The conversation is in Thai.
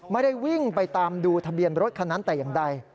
ไม่ได้วิ่งไปตามดูทะเบียนรถคันนั้นแต่อย่างใด